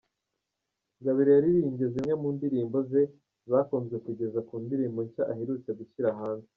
Gabiro yaririmbye zimwe mu ndirimbo ze zakunzwe kugeza ku ndirimbo nshya aherutse gushyira hanze.